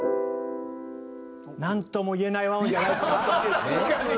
なんともいえない和音じゃないですか？